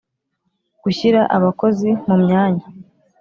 gushyira abakozi mu myanya